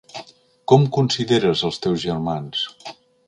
Com consideres els teus germans?